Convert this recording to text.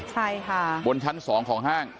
ใช่ค่ะบนชั้น๒ของห้าง